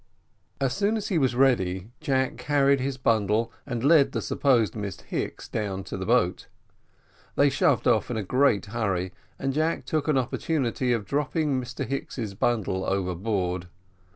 As soon as he was ready, Jack carried his bundle and led the supposed Miss Hicks down to the boat. They shoved off in a great hurry, and Jack took an opportunity of dropping Mr Hicks's bundle overboard.